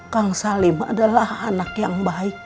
kang salim adalah anak yang baik